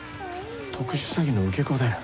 特殊詐欺の受け子だよ。